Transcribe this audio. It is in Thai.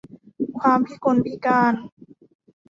ความพิกลพิการ